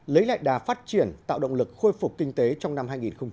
lấy lại đà phát triển tạo động lực khôi phục kinh tế trong năm hai nghìn hai mươi